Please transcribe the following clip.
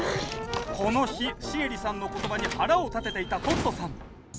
この日シエリさんの言葉に腹を立てていたトットさん。